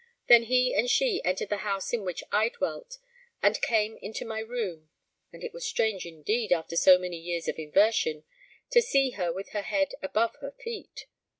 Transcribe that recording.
Then he and she entered the house in which I dwelt, and came into my room (and it was strange indeed, after so many years of inversion, to see her with her head above her feet!)